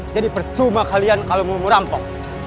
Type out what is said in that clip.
percuma kalian kalau mau merampok